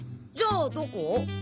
じゃあどこ？